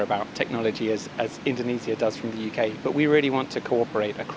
berbagai negara pulau dan kepulauan